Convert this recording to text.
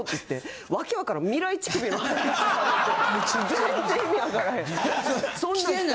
全然意味わからへん。